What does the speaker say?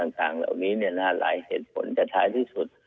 อะไรต่างอย่างงี้เนี่ยคงจะหายที่สุด